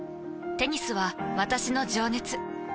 テニスは私の情熱。